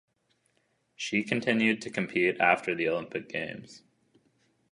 She continued to compete after the Olympic Games.